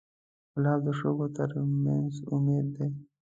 ګلاب د شګو تر منځ امید دی.